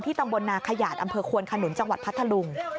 ตำบลนาขยาดอำเภอควนขนุนจังหวัดพัทธลุง